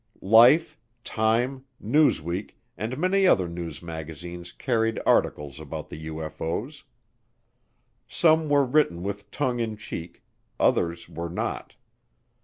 Life, Time, Newsweek, and many other news magazines carried articles about the UFO's. Some were written with tongue in cheek, others were not.